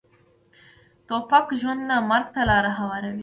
توپک ژوند نه، مرګ ته لاره هواروي.